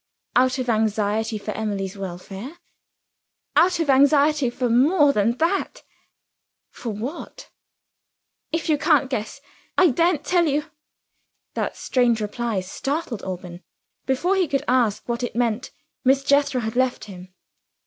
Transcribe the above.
"Out of anxiety for Emily's welfare?" "Out of anxiety for more than that." "For what?" "If you can't guess, I daren't tell you." That strange reply startled Alban. Before he could ask what it meant, Miss Jethro had left him.